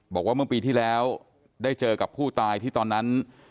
บอกว่าเมื่อปีที่แล้วได้เจอกับผู้ตายที่ตอนนั้น